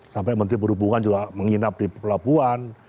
sampai menteri perhubungan juga menginap di pelabuhan